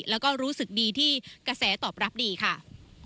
แล้วก็รู้สึกดีที่กระแสตอบรับดีค่ะ